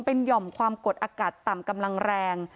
เป็นหย่อมความกดอากาศต่ำกำลังแรง